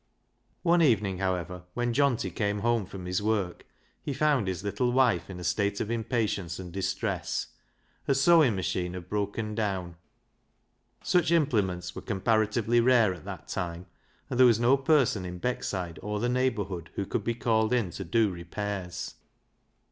One evening, however, when Johnty came home from his work, he found his little wife in a state of impatience and distress. Her sewing machine had broken down. Such implements were comparatively rare at that time, and there was no person in Beckside or the neighbourhood who could be called in to do repairs.